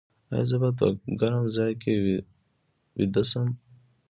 ایا زه باید په ګرم ځای کې ویده شم؟